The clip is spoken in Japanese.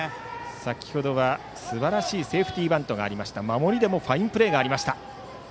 先ほどはすばらしいセーフティーバントがあって守りでもファインプレー。